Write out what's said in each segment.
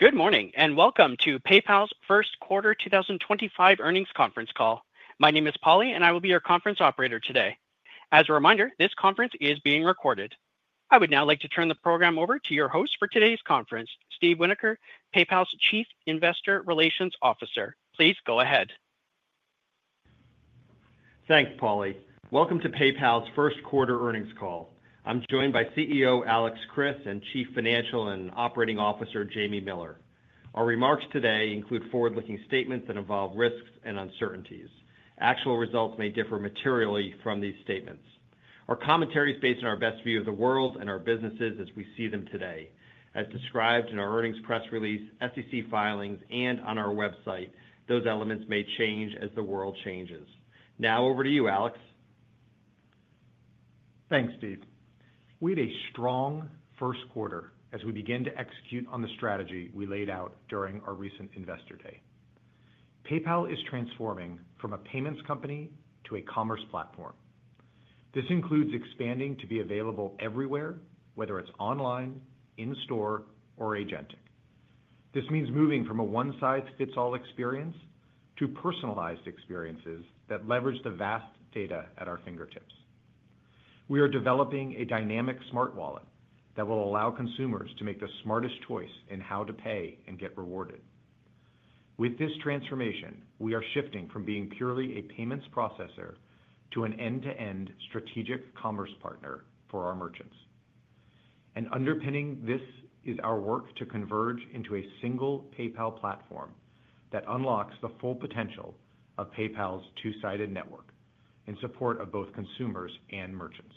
Good morning and welcome to PayPal's first quarter 2025 earnings conference call. My name is Polly, and I will be your conference operator today. As a reminder, this conference is being recorded. I would now like to turn the program over to your host for today's conference, Steve Winoker, PayPal's Chief Investor Relations Officer. Please go ahead. Thanks, Polly. Welcome to PayPal's first quarter earnings call. I'm joined by CEO Alex Chriss and Chief Financial and Operating Officer Jamie Miller. Our remarks today include forward-looking statements that involve risks and uncertainties. Actual results may differ materially from these statements. Our commentary is based on our best view of the world and our businesses as we see them today. As described in our earnings press release, SEC filings, and on our website, those elements may change as the world changes. Now, over to you, Alex. Thanks, Steve. We had a strong first quarter as we began to execute on the strategy we laid out during our recent investor day. PayPal is transforming from a payments company to a commerce platform. This includes expanding to be available everywhere, whether it's online, in-store, or agentic. This means moving from a one-size-fits-all experience to personalized experiences that leverage the vast data at our fingertips. We are developing a dynamic smart wallet that will allow consumers to make the smartest choice in how to pay and get rewarded. With this transformation, we are shifting from being purely a payments processor to an end-to-end strategic commerce partner for our merchants. Underpinning this is our work to converge into a single PayPal platform that unlocks the full potential of PayPal's two-sided network in support of both consumers and merchants.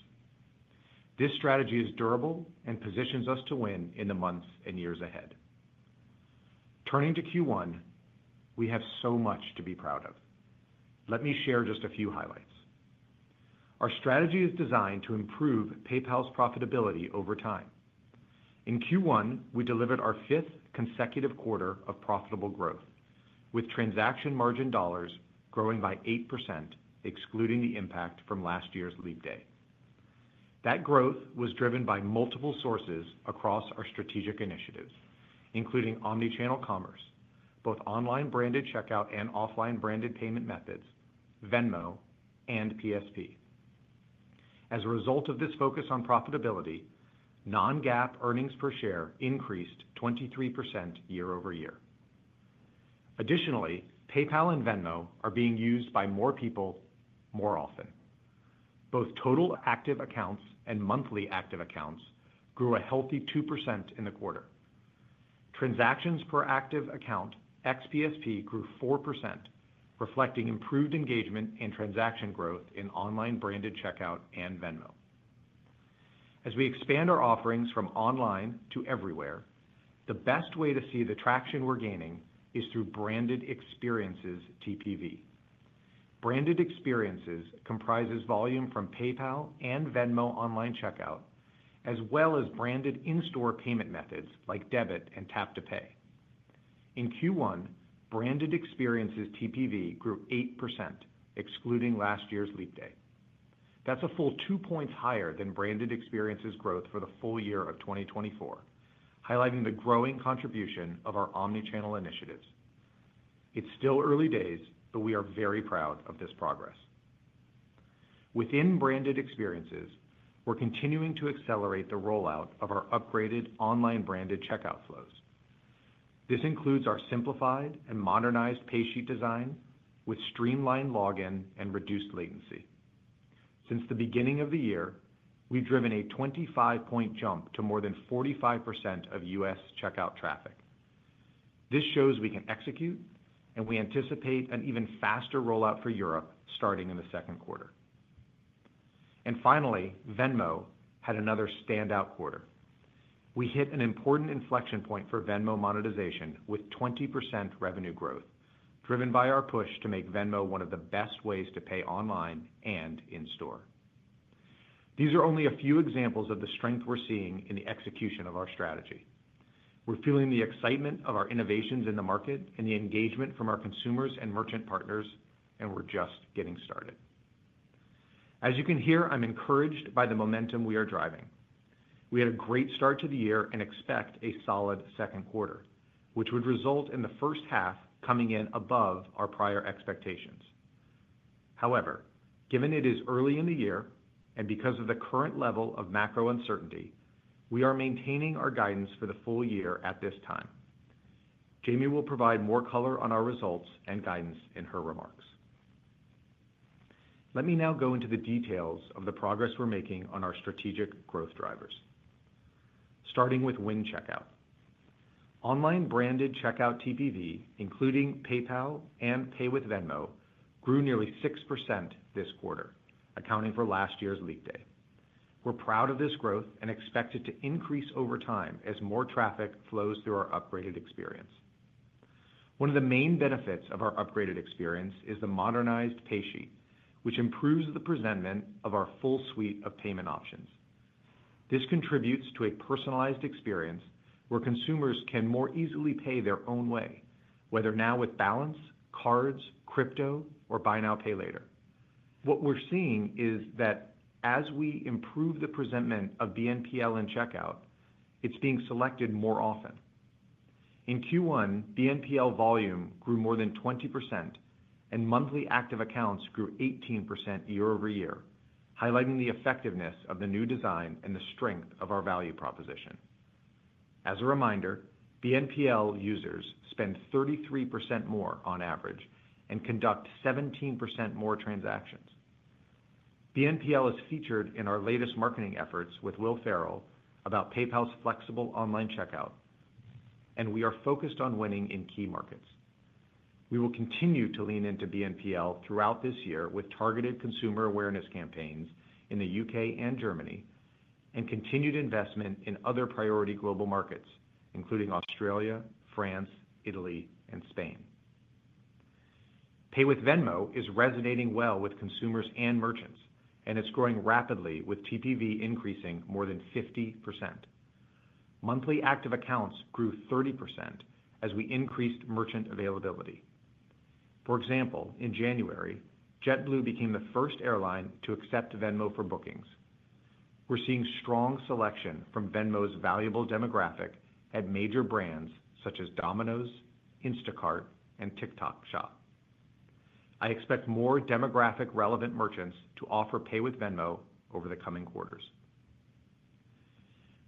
This strategy is durable and positions us to win in the months and years ahead. Turning to Q1, we have so much to be proud of. Let me share just a few highlights. Our strategy is designed to improve PayPal's profitability over time. In Q1, we delivered our fifth consecutive quarter of profitable growth, with transaction margin dollars growing by 8%, excluding the impact from last year's leap day. That growth was driven by multiple sources across our strategic initiatives, including omnichannel commerce, both online branded checkout and offline branded payment methods, Venmo, and PSP. As a result of this focus on profitability, non-GAAP earnings per share increased 23% year-over-year. Additionally, PayPal and Venmo are being used by more people more often. Both total active accounts and monthly active accounts grew a healthy 2% in the quarter. Transactions per active account, ex-PSP, grew 4%, reflecting improved engagement and transaction growth in online branded checkout and Venmo. As we expand our offerings from online to everywhere, the best way to see the traction we're gaining is through branded experiences, TPV. Branded experiences comprises volume from PayPal and Venmo online checkout, as well as branded in-store payment methods like debit and Tap to Pay. In Q1, branded experiences, TPV, grew 8%, excluding last year's leap day. That's a full two percentage points higher than branded experiences growth for the full year of 2024, highlighting the growing contribution of our omnichannel initiatives. It's still early days, but we are very proud of this progress. Within branded experiences, we're continuing to accelerate the rollout of our upgraded online branded checkout flows. This includes our simplified and modernized paysheet design with streamlined login and reduced latency. Since the beginning of the year, we've driven a 25-percentage point jump to more than 45% of U.S. checkout traffic. This shows we can execute, and we anticipate an even faster rollout for Europe starting in the second quarter. Finally, Venmo had another standout quarter. We hit an important inflection point for Venmo monetization with 20% revenue growth, driven by our push to make Venmo one of the best ways to pay online and in-store. These are only a few examples of the strength we're seeing in the execution of our strategy. We're feeling the excitement of our innovations in the market and the engagement from our consumers and merchant partners, and we're just getting started. As you can hear, I'm encouraged by the momentum we are driving. We had a great start to the year and expect a solid second quarter, which would result in the first half coming in above our prior expectations. However, given it is early in the year and because of the current level of macro uncertainty, we are maintaining our guidance for the full year at this time. Jamie will provide more color on our results and guidance in her remarks. Let me now go into the details of the progress we're making on our strategic growth drivers. Starting with Winning Checkout. Online branded checkout TPV, including PayPal and Pay with Venmo, grew nearly 6% this quarter, accounting for last year's leap day. We're proud of this growth and expect it to increase over time as more traffic flows through our upgraded experience. One of the main benefits of our upgraded experience is the modernized paysheet, which improves the presentment of our full suite of payment options. This contributes to a personalized experience where consumers can more easily pay their own way, whether now with balance, cards, crypto, or buy now, pay later. What we're seeing is that as we improve the presentment of BNPL and checkout, it's being selected more often. In Q1, BNPL volume grew more than 20%, and monthly active accounts grew 18% year over year, highlighting the effectiveness of the new design and the strength of our value proposition. As a reminder, BNPL users spend 33% more on average and conduct 17% more transactions. BNPL is featured in our latest marketing efforts with Will Ferrell about PayPal's flexible online checkout, and we are focused on winning in key markets. We will continue to lean into BNPL throughout this year with targeted consumer awareness campaigns in the UK and Germany and continued investment in other priority global markets, including Australia, France, Italy, and Spain. Pay with Venmo is resonating well with consumers and merchants, and it's growing rapidly with TPV increasing more than 50%. Monthly active accounts grew 30% as we increased merchant availability. For example, in January, JetBlue became the first airline to accept Venmo for bookings. We're seeing strong selection from Venmo's valuable demographic at major brands such as Domino's, Instacart, and TikTok Shop. I expect more demographic-relevant merchants to offer Pay with Venmo over the coming quarters.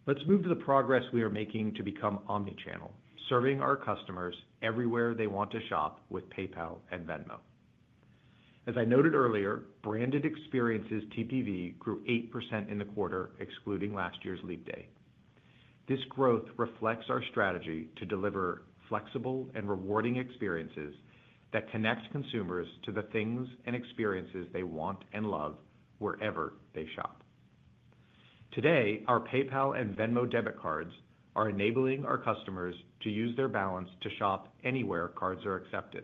Let's move to the progress we are making to become omnichannel, serving our customers everywhere they want to shop with PayPal and Venmo. As I noted earlier, branded experiences TPV grew 8% in the quarter, excluding last year's leap day. This growth reflects our strategy to deliver flexible and rewarding experiences that connect consumers to the things and experiences they want and love wherever they shop. Today, our PayPal and Venmo debit cards are enabling our customers to use their balance to shop anywhere cards are accepted.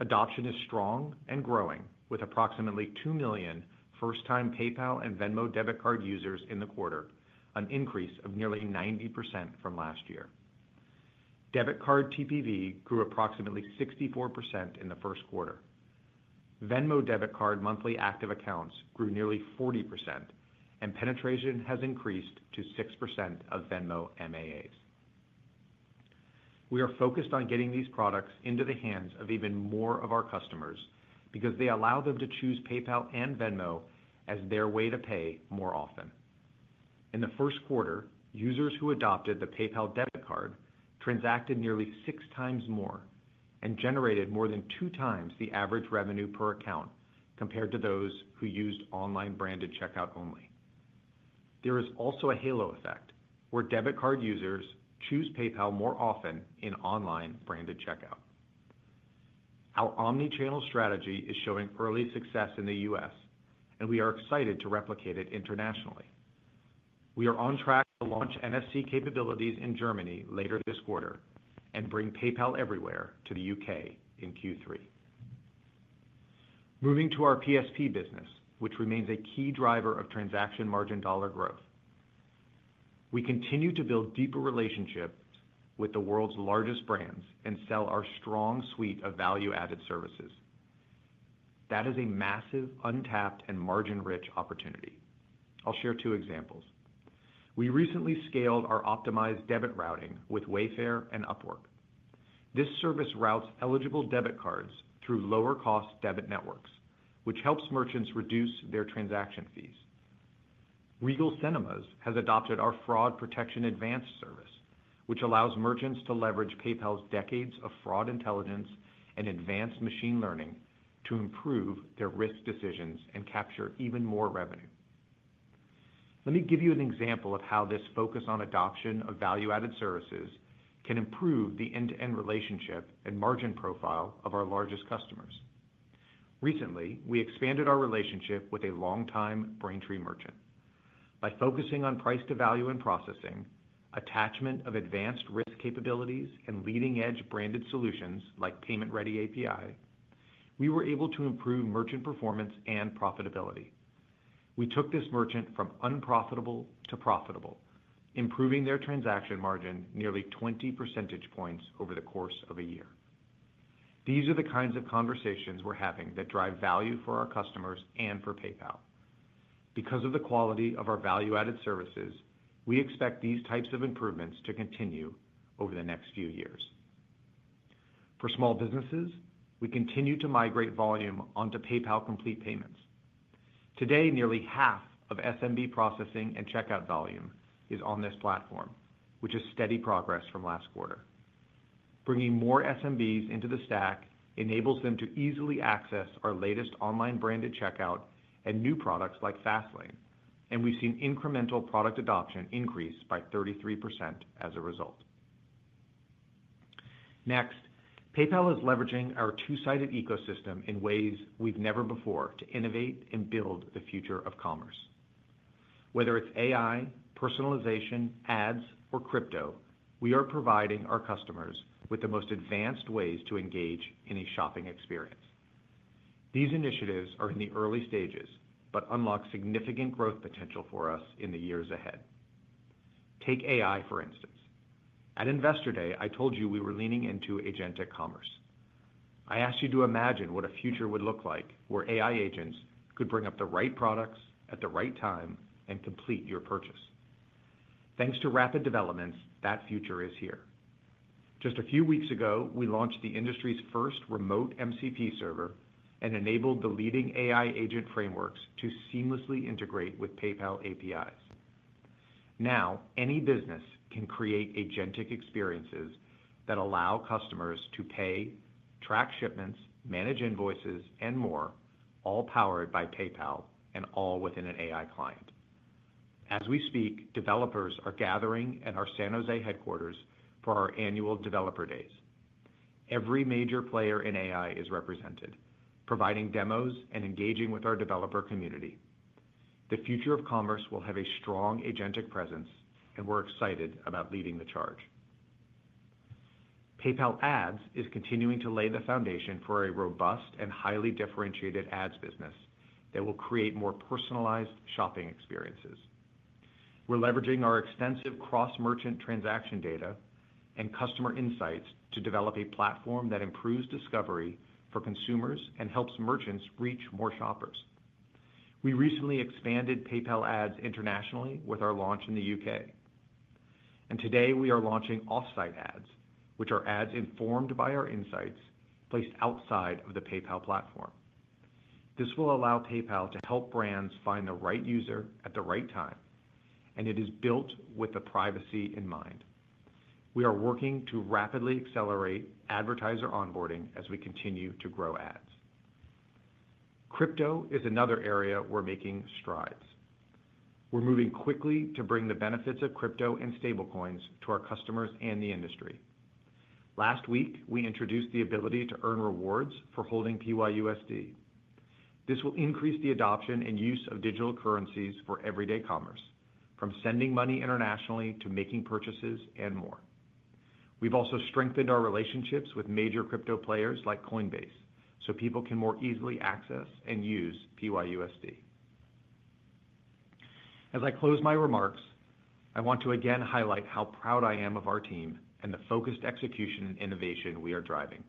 Adoption is strong and growing with approximately 2 million first-time PayPal and Venmo debit card users in the quarter, an increase of nearly 90% from last year. Debit card TPV grew approximately 64% in the first quarter. Venmo debit card monthly active accounts grew nearly 40%, and penetration has increased to 6% of Venmo MAAs. We are focused on getting these products into the hands of even more of our customers because they allow them to choose PayPal and Venmo as their way to pay more often. In the first quarter, users who adopted the PayPal debit card transacted nearly six times more and generated more than two times the average revenue per account compared to those who used online branded checkout only. There is also a halo effect where debit card users choose PayPal more often in online branded checkout. Our omnichannel strategy is showing early success in the U.S., and we are excited to replicate it internationally. We are on track to launch NFC capabilities in Germany later this quarter and bring PayPal Everywhere to the UK in Q3. Moving to our PSP business, which remains a key driver of transaction margin dollar growth. We continue to build deeper relationships with the world's largest brands and sell our strong suite of value-added services. That is a massive, untapped, and margin-rich opportunity. I'll share two examples. We recently scaled our optimized debit routing with Wayfair and Upwork. This service routes eligible debit cards through lower-cost debit networks, which helps merchants reduce their transaction fees. Regal Cinemas has adopted our Fraud Protection Advanced service, which allows merchants to leverage PayPal's decades of fraud intelligence and advanced machine learning to improve their risk decisions and capture even more revenue. Let me give you an example of how this focus on adoption of value-added services can improve the end-to-end relationship and margin profile of our largest customers. Recently, we expanded our relationship with a longtime Braintree merchant. By focusing on price-to-value and processing, attachment of advanced risk capabilities, and leading-edge branded solutions like payment-ready API, we were able to improve merchant performance and profitability. We took this merchant from unprofitable to profitable, improving their transaction margin nearly 20 percentage points over the course of a year. These are the kinds of conversations we're having that drive value for our customers and for PayPal. Because of the quality of our value-added services, we expect these types of improvements to continue over the next few years. For small businesses, we continue to migrate volume onto PayPal Complete Payments. Today, nearly half of SMB processing and checkout volume is on this platform, which is steady progress from last quarter. Bringing more SMBs into the stack enables them to easily access our latest online branded checkout and new products like Fastlane, and we've seen incremental product adoption increase by 33% as a result. Next, PayPal is leveraging our two-sided ecosystem in ways we've never before to innovate and build the future of commerce. Whether it's AI, personalization, ads, or crypto, we are providing our customers with the most advanced ways to engage in a shopping experience. These initiatives are in the early stages, but unlock significant growth potential for us in the years ahead. Take AI, for instance. At Investor Day, I told you we were leaning into agentic commerce. I asked you to imagine what a future would look like where AI agents could bring up the right products at the right time and complete your purchase. Thanks to rapid developments, that future is here. Just a few weeks ago, we launched the industry's first remote MCP server and enabled the leading AI agent frameworks to seamlessly integrate with PayPal APIs. Now, any business can create agentic experiences that allow customers to pay, track shipments, manage invoices, and more, all powered by PayPal and all within an AI client. As we speak, developers are gathering at our San Jose headquarters for our annual developer days. Every major player in AI is represented, providing demos and engaging with our developer community. The future of commerce will have a strong agentic presence, and we're excited about leading the charge. PayPal Ads is continuing to lay the foundation for a robust and highly differentiated ads business that will create more personalized shopping experiences. We're leveraging our extensive cross-merchant transaction data and customer insights to develop a platform that improves discovery for consumers and helps merchants reach more shoppers. We recently expanded PayPal Ads internationally with our launch in the UK Today, we are launching off-site ads, which are ads informed by our insights placed outside of the PayPal platform. This will allow PayPal to help brands find the right user at the right time, and it is built with privacy in mind. We are working to rapidly accelerate advertiser onboarding as we continue to grow ads. Crypto is another area we're making strides. We're moving quickly to bring the benefits of crypto and stablecoins to our customers and the industry. Last week, we introduced the ability to earn rewards for holding PYUSD. This will increase the adoption and use of digital currencies for everyday commerce, from sending money internationally to making purchases and more. We've also strengthened our relationships with major crypto players like Coinbase so people can more easily access and use PYUSD. As I close my remarks, I want to again highlight how proud I am of our team and the focused execution and innovation we are driving.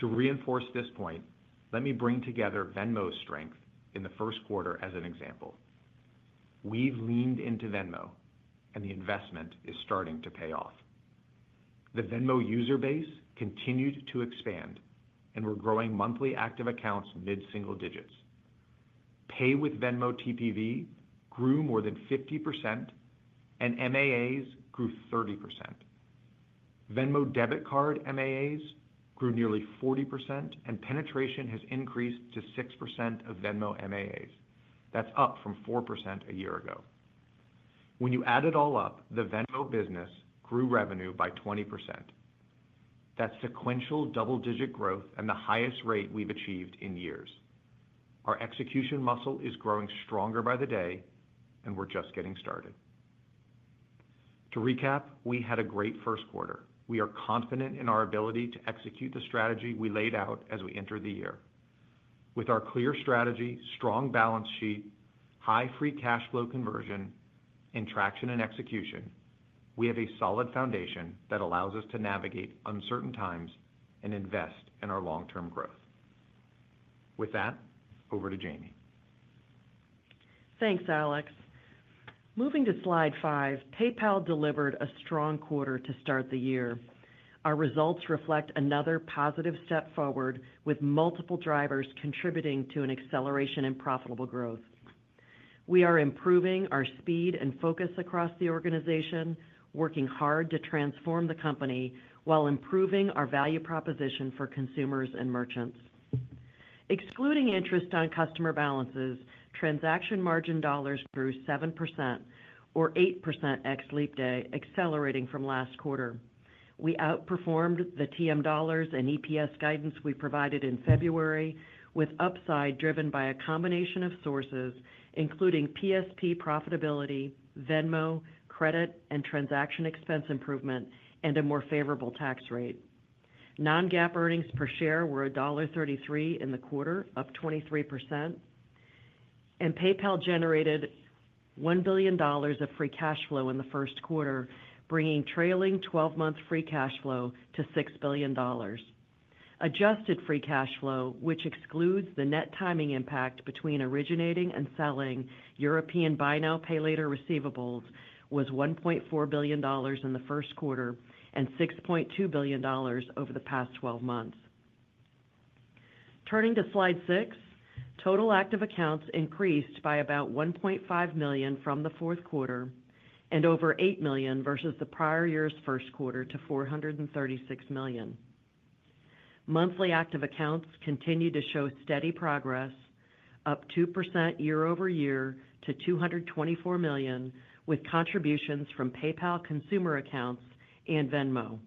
To reinforce this point, let me bring together Venmo's strength in the first quarter as an example. We've leaned into Venmo, and the investment is starting to pay off. The Venmo user base continued to expand, and we're growing monthly active accounts mid-single digits. Pay with Venmo TPV grew more than 50%, and MAAs grew 30%. Venmo debit card MAAs grew nearly 40%, and penetration has increased to 6% of Venmo MAAs. That is up from 4% a year ago. When you add it all up, the Venmo business grew revenue by 20%. That is sequential double-digit growth and the highest rate we have achieved in years. Our execution muscle is growing stronger by the day, and we are just getting started. To recap, we had a great first quarter. We are confident in our ability to execute the strategy we laid out as we entered the year. With our clear strategy, strong balance sheet, high free cash flow conversion, and traction and execution, we have a solid foundation that allows us to navigate uncertain times and invest in our long-term growth. With that, over to Jamie. Thanks, Alex. Moving to slide five, PayPal delivered a strong quarter to start the year. Our results reflect another positive step forward with multiple drivers contributing to an acceleration in profitable growth. We are improving our speed and focus across the organization, working hard to transform the company while improving our value proposition for consumers and merchants. Excluding interest on customer balances, transaction margin dollars grew 7% or 8% ex-leap day, accelerating from last quarter. We outperformed the TM dollars and EPS guidance we provided in February, with upside driven by a combination of sources, including PSP profitability, Venmo, credit and transaction expense improvement, and a more favorable tax rate. Non-GAAP earnings per share were $1.33 in the quarter, up 23%. PayPal generated $1 billion of free cash flow in the first quarter, bringing trailing 12-month free cash flow to $6 billion. Adjusted free cash flow, which excludes the net timing impact between originating and selling European buy-now-pay-later receivables, was $1.4 billion in the first quarter and $6.2 billion over the past 12 months. Turning to slide six, total active accounts increased by about 1.5 million from the fourth quarter and over 8 million versus the prior year's first quarter to 436 million. Monthly active accounts continue to show steady progress, up 2% year over year to 224 million, with contributions from PayPal consumer accounts and Venmo.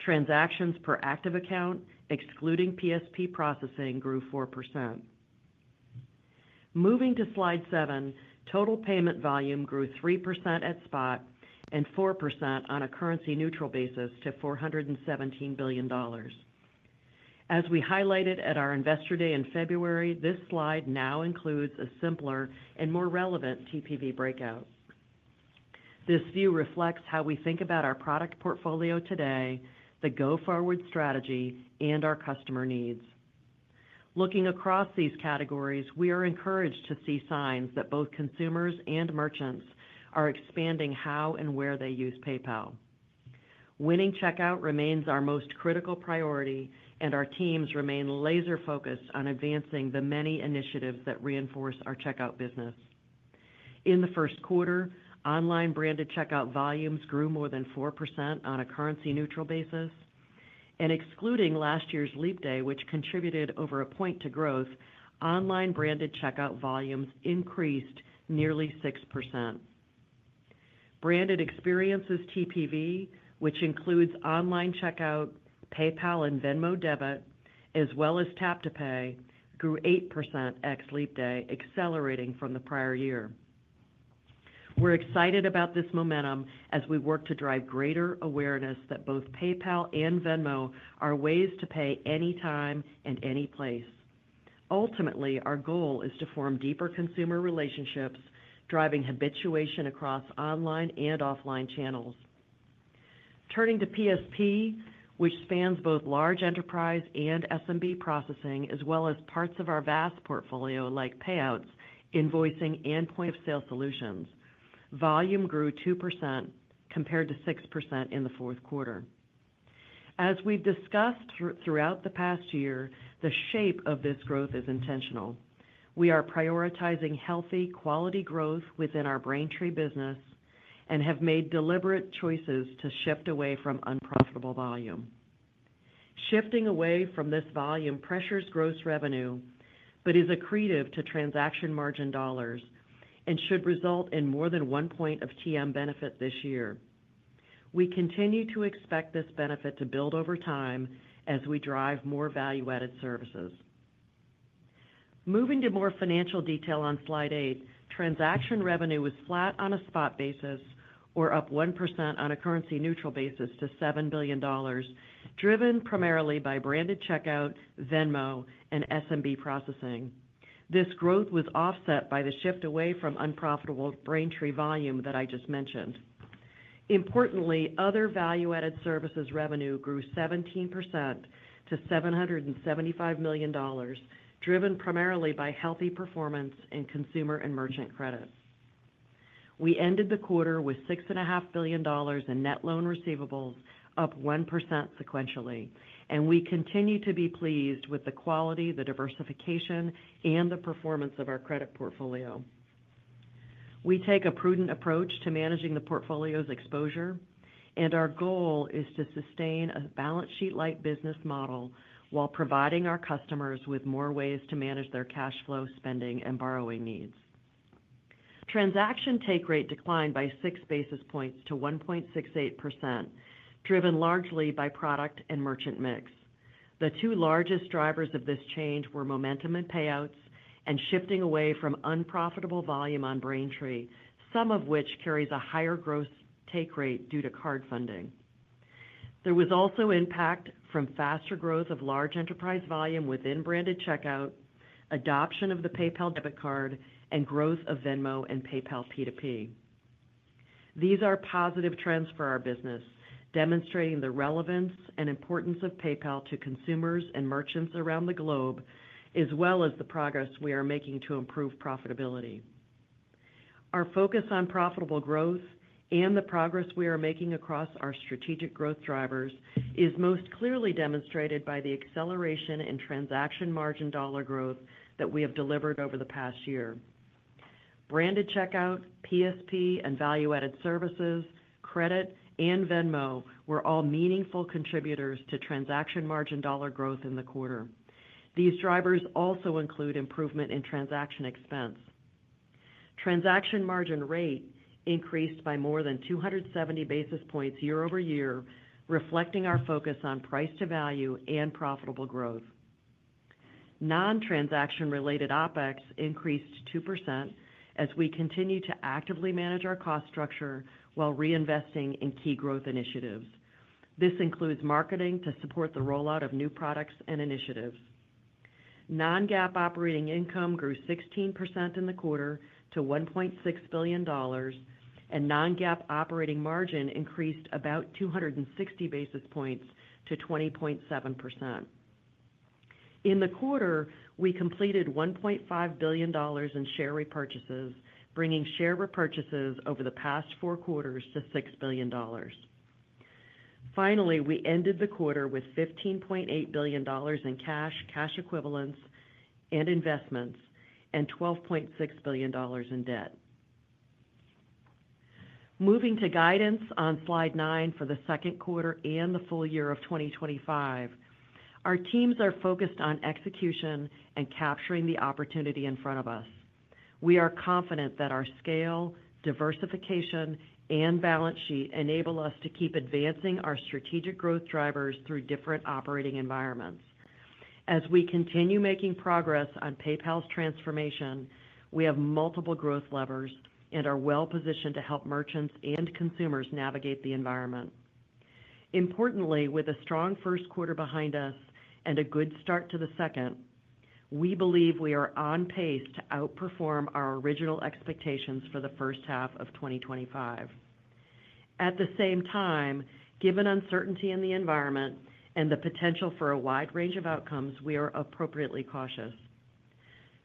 Transactions per active account, excluding PSP processing, grew 4%. Moving to slide seven, total payment volume grew 3% at spot and 4% on a currency-neutral basis to $417 billion. As we highlighted at our Investor Day in February, this slide now includes a simpler and more relevant TPV breakout. This view reflects how we think about our product portfolio today, the go-forward strategy, and our customer needs. Looking across these categories, we are encouraged to see signs that both consumers and merchants are expanding how and where they use PayPal. Winning checkout remains our most critical priority, and our teams remain laser-focused on advancing the many initiatives that reinforce our checkout business. In the first quarter, online branded checkout volumes grew more than 4% on a currency-neutral basis. Excluding last year's leap day, which contributed over a point to growth, online branded checkout volumes increased nearly 6%. Branded experiences TPV, which includes online checkout, PayPal and Venmo debit, as well as Tap to Pay, grew 8% ex-leap day, accelerating from the prior year. We are excited about this momentum as we work to drive greater awareness that both PayPal and Venmo are ways to pay anytime and any place. Ultimately, our goal is to form deeper consumer relationships, driving habituation across online and offline channels. Turning to PSP, which spans both large enterprise and SMB processing, as well as parts of our vast portfolio like payouts, invoicing, and point-of-sale solutions, volume grew 2% compared to 6% in the fourth quarter. As we've discussed throughout the past year, the shape of this growth is intentional. We are prioritizing healthy, quality growth within our Braintree business and have made deliberate choices to shift away from unprofitable volume. Shifting away from this volume pressures gross revenue but is accretive to transaction margin dollars and should result in more than one point of TM benefit this year. We continue to expect this benefit to build over time as we drive more value-added services. Moving to more financial detail on slide eight, transaction revenue was flat on a spot basis or up 1% on a currency-neutral basis to $7 billion, driven primarily by branded checkout, Venmo, and SMB processing. This growth was offset by the shift away from unprofitable Braintree volume that I just mentioned. Importantly, other value-added services revenue grew 17% to $775 million, driven primarily by healthy performance in consumer and merchant credit. We ended the quarter with $6.5 billion in net loan receivables, up 1% sequentially, and we continue to be pleased with the quality, the diversification, and the performance of our credit portfolio. We take a prudent approach to managing the portfolio's exposure, and our goal is to sustain a balance sheet-like business model while providing our customers with more ways to manage their cash flow, spending, and borrowing needs. Transaction take rate declined by six basis points to 1.68%, driven largely by product and merchant mix. The two largest drivers of this change were momentum in payouts and shifting away from unprofitable volume on Braintree, some of which carries a higher gross take rate due to card funding. There was also impact from faster growth of large enterprise volume within branded checkout, adoption of the PayPal debit card, and growth of Venmo and PayPal P2P. These are positive trends for our business, demonstrating the relevance and importance of PayPal to consumers and merchants around the globe, as well as the progress we are making to improve profitability. Our focus on profitable growth and the progress we are making across our strategic growth drivers is most clearly demonstrated by the acceleration in transaction margin dollar growth that we have delivered over the past year. Branded checkout, PSP, and value-added services, credit, and Venmo were all meaningful contributors to transaction margin dollar growth in the quarter. These drivers also include improvement in transaction expense. Transaction margin rate increased by more than 270 basis points year over year, reflecting our focus on price to value and profitable growth. Non-transaction-related OpEx increased 2% as we continue to actively manage our cost structure while reinvesting in key growth initiatives. This includes marketing to support the rollout of new products and initiatives. Non-GAAP operating income grew 16% in the quarter to $1.6 billion, and non-GAAP operating margin increased about 260 basis points to 20.7%. In the quarter, we completed $1.5 billion in share repurchases, bringing share repurchases over the past four quarters to $6 billion. Finally, we ended the quarter with $15.8 billion in cash, cash equivalents, and investments, and $12.6 billion in debt. Moving to guidance on slide nine for the second quarter and the full year of 2025, our teams are focused on execution and capturing the opportunity in front of us. We are confident that our scale, diversification, and balance sheet enable us to keep advancing our strategic growth drivers through different operating environments. As we continue making progress on PayPal's transformation, we have multiple growth levers and are well-positioned to help merchants and consumers navigate the environment. Importantly, with a strong first quarter behind us and a good start to the second, we believe we are on pace to outperform our original expectations for the first half of 2025. At the same time, given uncertainty in the environment and the potential for a wide range of outcomes, we are appropriately cautious.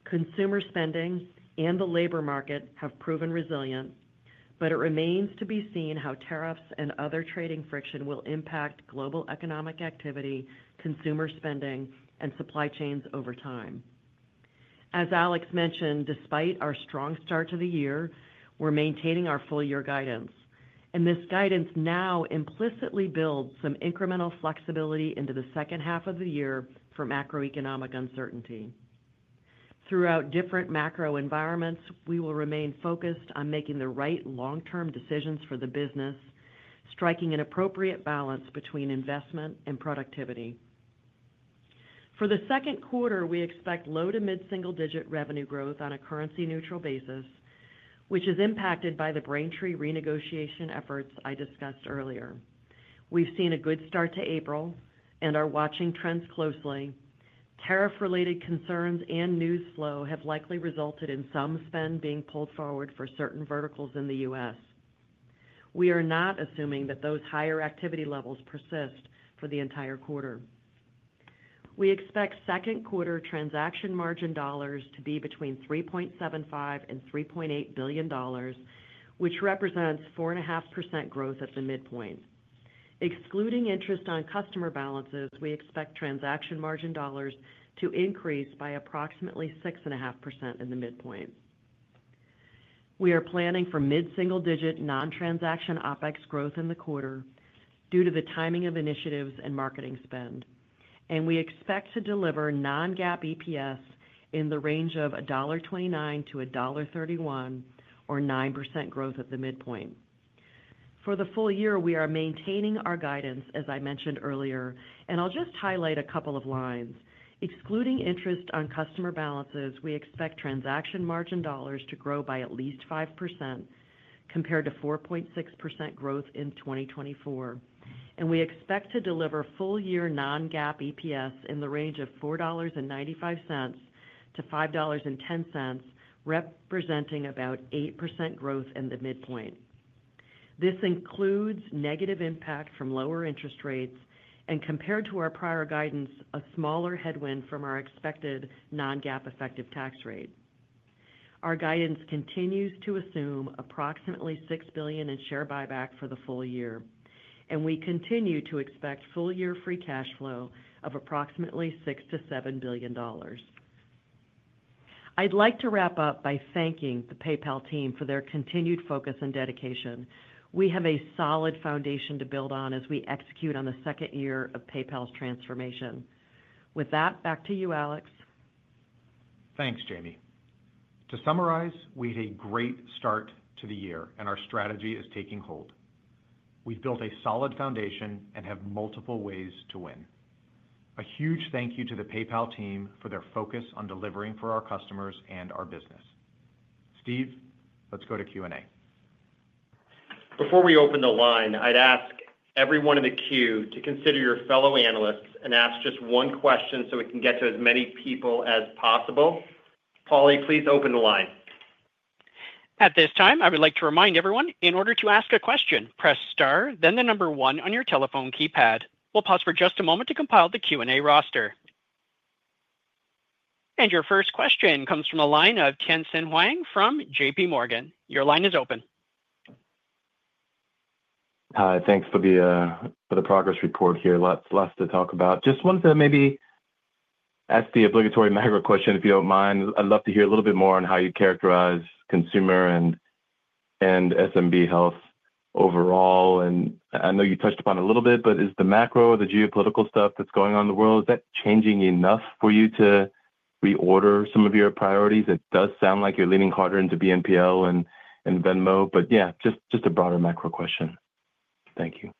Consumer spending and the labor market have proven resilient, but it remains to be seen how tariffs and other trading friction will impact global economic activity, consumer spending, and supply chains over time. As Alex mentioned, despite our strong start to the year, we're maintaining our full-year guidance. This guidance now implicitly builds some incremental flexibility into the second half of the year for macroeconomic uncertainty. Throughout different macro environments, we will remain focused on making the right long-term decisions for the business, striking an appropriate balance between investment and productivity. For the second quarter, we expect low to mid-single-digit revenue growth on a currency-neutral basis, which is impacted by the Braintree renegotiation efforts I discussed earlier. We've seen a good start to April and are watching trends closely. Tariff-related concerns and news flow have likely resulted in some spend being pulled forward for certain verticals in the U.S. We are not assuming that those higher activity levels persist for the entire quarter. We expect second quarter transaction margin dollars to be between $3.75 billion-$3.8 billion, which represents 4.5% growth at the midpoint. Excluding interest on customer balances, we expect transaction margin dollars to increase by approximately 6.5% at the midpoint. We are planning for mid-single-digit non-transaction OpEx growth in the quarter due to the timing of initiatives and marketing spend. We expect to deliver non-GAAP EPS in the range of $1.29-$1.31 or 9% growth at the midpoint. For the full year, we are maintaining our guidance, as I mentioned earlier, and I will just highlight a couple of lines. Excluding interest on customer balances, we expect transaction margin dollars to grow by at least 5% compared to 4.6% growth in 2024. We expect to deliver full-year non-GAAP EPS in the range of $4.95-$5.10, representing about 8% growth at the midpoint. This includes negative impact from lower interest rates and, compared to our prior guidance, a smaller headwind from our expected non-GAAP effective tax rate. Our guidance continues to assume approximately $6 billion in share buyback for the full year, and we continue to expect full-year free cash flow of approximately $6-$7 billion. I'd like to wrap up by thanking the PayPal team for their continued focus and dedication. We have a solid foundation to build on as we execute on the second year of PayPal's transformation. With that, back to you, Alex. Thanks, Jamie. To summarize, we had a great start to the year, and our strategy is taking hold. We've built a solid foundation and have multiple ways to win. A huge thank you to the PayPal team for their focus on delivering for our customers and our business. Steve, let's go to Q&A. Before we open the line, I'd ask everyone in the queue to consider your fellow analysts and ask just one question so we can get to as many people as possible. Polly, please open the line. At this time, I would like to remind everyone, in order to ask a question, press Star, then the number one on your telephone keypad. We'll pause for just a moment to compile the Q&A roster. Your first question comes from a line of Tien-Tsin Huang from JPMorgan Chase & Co. Your line is open. Thanks,, for the progress report here. Lots to talk about. Just wanted to maybe ask the obligatory macro question, if you don't mind. I'd love to hear a little bit more on how you characterize consumer and SMB health overall. I know you touched upon it a little bit, but is the macro, the geopolitical stuff that's going on in the world, is that changing enough for you to reorder some of your priorities? It does sound like you're leaning harder into BNPL and Venmo, but yeah, just a broader macro question. Thank you.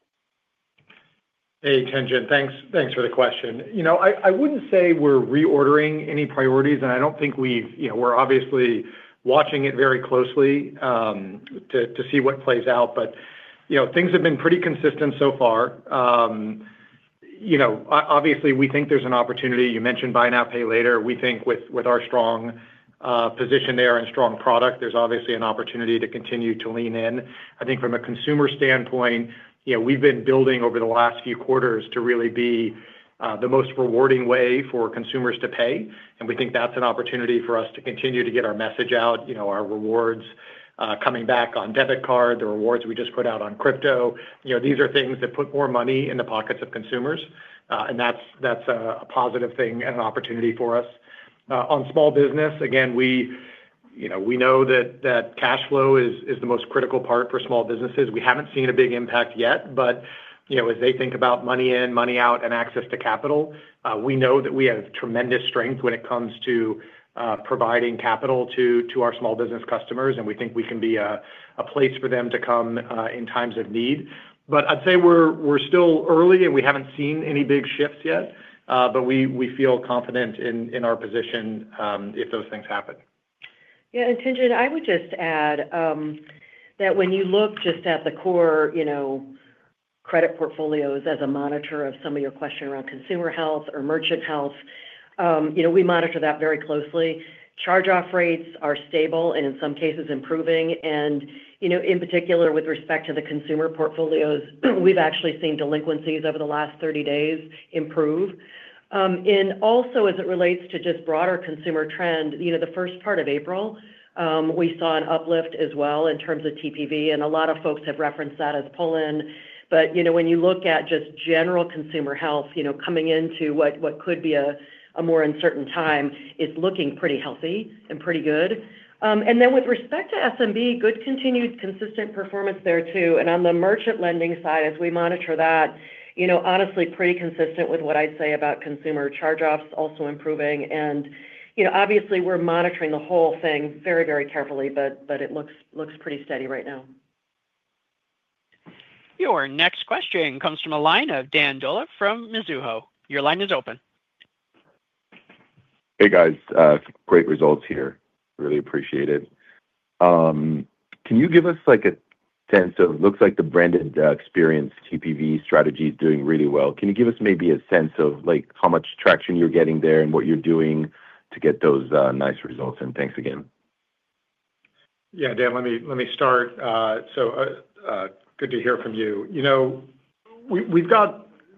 Hey, Tien-Tsin, thanks for the question. I wouldn't say we're reordering any priorities, and I don't think we're obviously watching it very closely to see what plays out, but things have been pretty consistent so far. Obviously, we think there's an opportunity. You mentioned buy now, pay later. We think with our strong position there and strong product, there's obviously an opportunity to continue to lean in. I think from a consumer standpoint, we've been building over the last few quarters to really be the most rewarding way for consumers to pay. We think that's an opportunity for us to continue to get our message out, our rewards coming back on debit card, the rewards we just put out on crypto. These are things that put more money in the pockets of consumers, and that's a positive thing and an opportunity for us. On small business, again, we know that cash flow is the most critical part for small businesses. We haven't seen a big impact yet, but as they think about money in, money out, and access to capital, we know that we have tremendous strength when it comes to providing capital to our small business customers, and we think we can be a place for them to come in times of need. I'd say we're still early, and we haven't seen any big shifts yet, but we feel confident in our position if those things happen. Yeah, and Tien-Tsin, I would just add that when you look just at the core credit portfolios as a monitor of some of your questions around consumer health or merchant health, we monitor that very closely. Charge-off rates are stable and in some cases improving. In particular, with respect to the consumer portfolios, we've actually seen delinquencies over the last 30 days improve. Also, as it relates to just broader consumer trend, the first part of April, we saw an uplift as well in terms of TPV, and a lot of folks have referenced that as pull-in. When you look at just general consumer health coming into what could be a more uncertain time, it's looking pretty healthy and pretty good. With respect to SMB, good continued consistent performance there too. On the merchant lending side, as we monitor that, honestly, pretty consistent with what I'd say about consumer charge-offs also improving. Obviously, we're monitoring the whole thing very, very carefully, but it looks pretty steady right now. Your next question comes from a line of Dan Dolev from Mizuho. Your line is open. Hey, guys. Great results here. Really appreciate it. Can you give us a sense of it looks like the branded experience TPV strategy is doing really well. Can you give us maybe a sense of how much traction you're getting there and what you're doing to get those nice results? Thanks again. Yeah, Dan, let me start. Good to hear from you. This is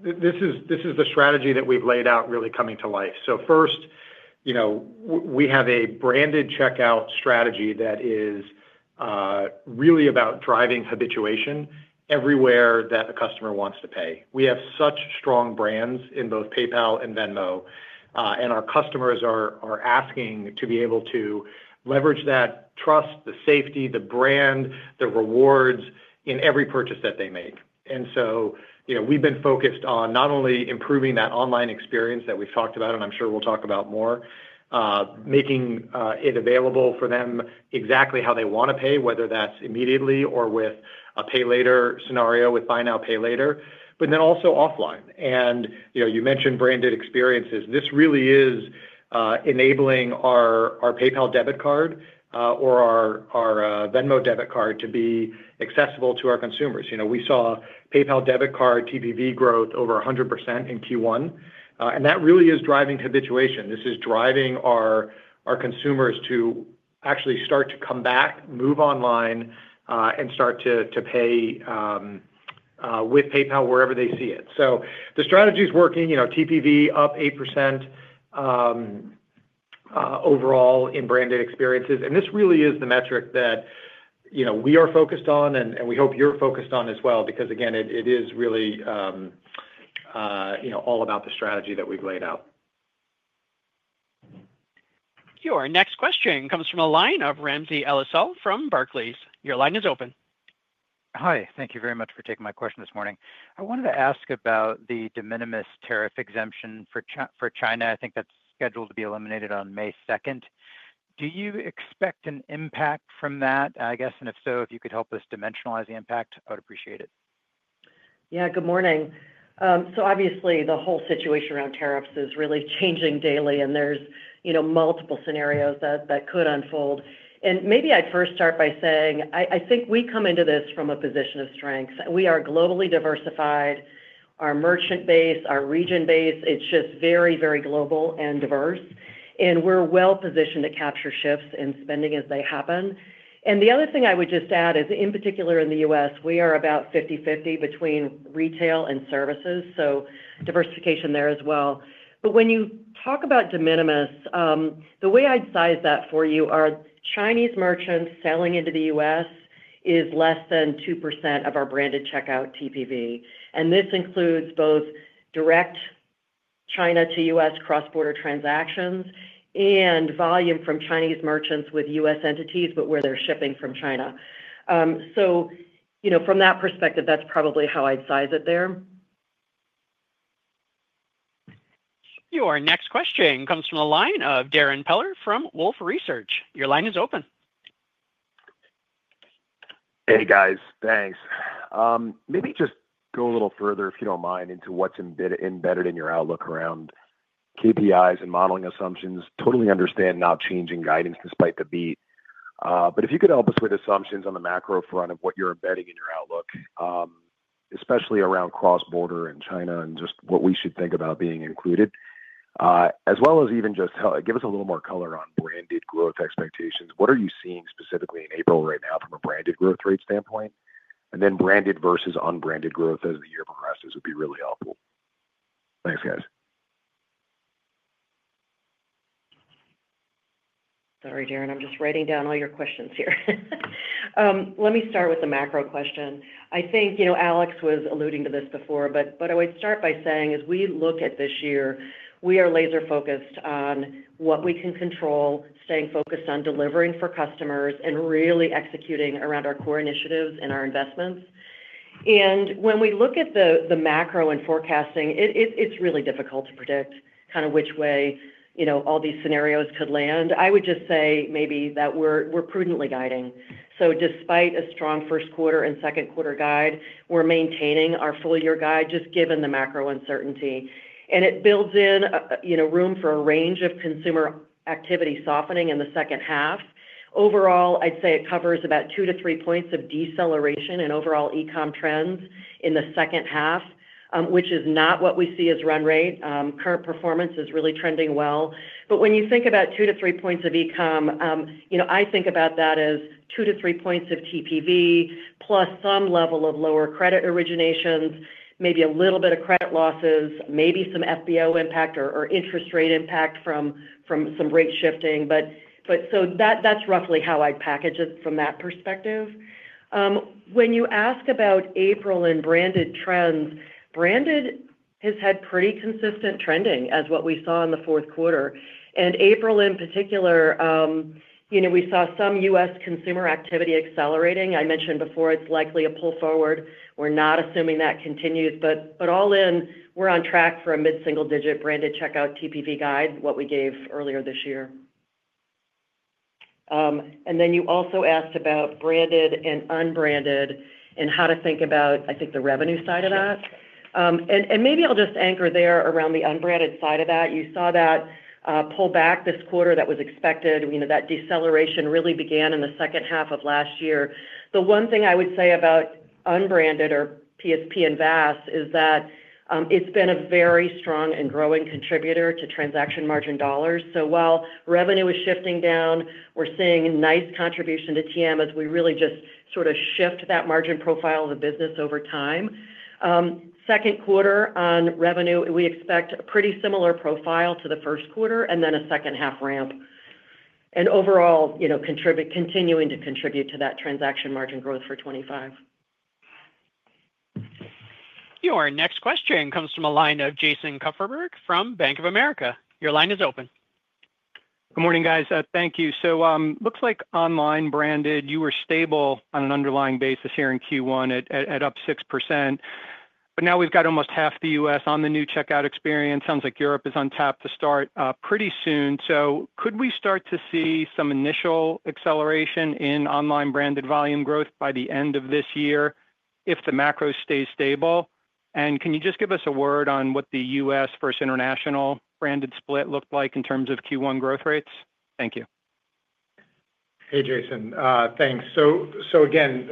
the strategy that we've laid out really coming to life. First, we have a branded checkout strategy that is really about driving habituation everywhere that a customer wants to pay. We have such strong brands in both PayPal and Venmo, and our customers are asking to be able to leverage that trust, the safety, the brand, the rewards in every purchase that they make. We have been focused on not only improving that online experience that we have talked about, and I am sure we will talk about more, making it available for them exactly how they want to pay, whether that is immediately or with a pay later scenario with buy now, pay later, but then also offline. You mentioned branded experiences. This really is enabling our PayPal debit card or our Venmo debit card to be accessible to our consumers. We saw PayPal debit card TPV growth over 100% in Q1, and that really is driving habituation. This is driving our consumers to actually start to come back, move online, and start to pay with PayPal wherever they see it. The strategy is working. TPV up 8% overall in branded experiences. This really is the metric that we are focused on, and we hope you're focused on as well, because, again, it is really all about the strategy that we've laid out. Your next question comes from a line of Ramsey El-Assal from Barclays. Your line is open. Hi. Thank you very much for taking my question this morning. I wanted to ask about the de minimis tariff exemption for China. I think that's scheduled to be eliminated on May 2nd. Do you expect an impact from that? I guess, and if so, if you could help us dimensionalize the impact, I would appreciate it. Yeah, good morning. Obviously, the whole situation around tariffs is really changing daily, and there are multiple scenarios that could unfold. Maybe I'd first start by saying I think we come into this from a position of strength. We are globally diversified. Our merchant base, our region base, it's just very, very global and diverse. We're well-positioned to capture shifts in spending as they happen. The other thing I would just add is, in particular, in the U.S., we are about 50/50 between retail and services. Diversification there as well. When you talk about de minimis, the way I'd size that for you is Chinese merchants selling into the U.S. is less than 2% of our branded checkout TPV. This includes both direct China to U.S. cross-border transactions and volume from Chinese merchants with U.S. entities, but where they're shipping from China. From that perspective, that's probably how I'd size it there. Your next question comes from a line of Darrin Peller from Wolfe Research. Your line is open. Hey, guys. Thanks. Maybe just go a little further, if you don't mind, into what's embedded in your outlook around KPIs and modeling assumptions. Totally understand not changing guidance despite the beat. If you could help us with assumptions on the macro front of what you're embedding in your outlook, especially around cross-border and China and just what we should think about being included, as well as even just give us a little more color on branded growth expectations. What are you seeing specifically in April right now from a branded growth rate standpoint? Branded versus unbranded growth as the year progresses would be really helpful. Thanks, guys. Sorry, Darrin. I'm just writing down all your questions here. Let me start with the macro question. I think Alex was alluding to this before, but I would start by saying, as we look at this year, we are laser-focused on what we can control, staying focused on delivering for customers, and really executing around our core initiatives and our investments. When we look at the macro and forecasting, it's really difficult to predict kind of which way all these scenarios could land. I would just say maybe that we're prudently guiding. Despite a strong first quarter and second quarter guide, we're maintaining our full-year guide just given the macro uncertainty. It builds in room for a range of consumer activity softening in the second half. Overall, I'd say it covers about two to three points of deceleration in overall e-com trends in the second half, which is not what we see as run rate. Current performance is really trending well. When you think about two to three points of e-com, I think about that as two to three points of TPV plus some level of lower credit originations, maybe a little bit of credit losses, maybe some FBO impact or interest rate impact from some rate shifting. That is roughly how I would package it from that perspective. When you ask about April and branded trends, branded has had pretty consistent trending as what we saw in the fourth quarter. In April, in particular, we saw some U.S. consumer activity accelerating. I mentioned before it is likely a pull forward. We are not assuming that continues. All in, we are on track for a mid-single-digit branded checkout TPV guide, what we gave earlier this year. You also asked about branded and unbranded and how to think about, I think, the revenue side of that. Maybe I'll just anchor there around the unbranded side of that. You saw that pull back this quarter that was expected. That deceleration really began in the second half of last year. The one thing I would say about unbranded or PSP and VAS is that it's been a very strong and growing contributor to transaction margin dollars. While revenue is shifting down, we're seeing nice contribution to TM as we really just sort of shift that margin profile of the business over time. Second quarter on revenue, we expect a pretty similar profile to the first quarter and then a second half ramp. Overall, continuing to contribute to that transaction margin growth for 2025. Your next question comes from a line of Jason Kupferberg from Bank of America. Your line is open. Good morning, guys. Thank you. It looks like online branded, you were stable on an underlying basis here in Q1 at up 6%. Now we have almost half the U.S. on the new checkout experience. It sounds like Europe is on tap to start pretty soon. Could we start to see some initial acceleration in online branded volume growth by the end of this year if the macro stays stable? Can you just give us a word on what the U.S. versus international branded split looked like in terms of Q1 growth rates? Thank you. Hey, Jason. Thanks. Again,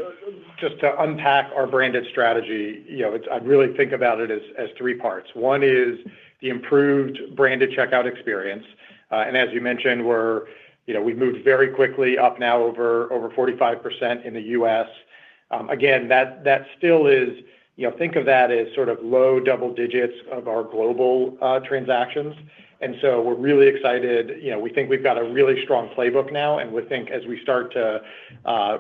just to unpack our branded strategy, I would really think about it as three parts. One is the improved branded checkout experience. As you mentioned, we've moved very quickly up now over 45% in the U.S., That still is, think of that as sort of low double digits of our global transactions. We are really excited. We think we've got a really strong playbook now, and we think as we start to